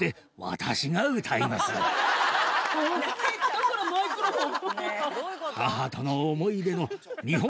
だからマイクロホン。